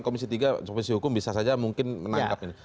komisi tiga komisi hukum bisa saja mungkin menangkap ini